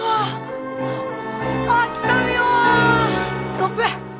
ストップ！